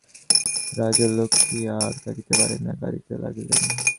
রাজলক্ষ্মী আর থাকিতে পারিলেন না, কাঁদিতে লাগিলেন।